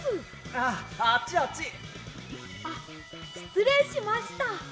あっしつれいしました。